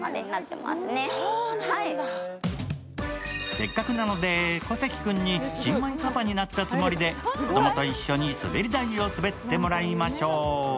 せっかくなので、小関君に新米パパになったつもりで、子供と一緒に滑り台を滑ってもらいましょう。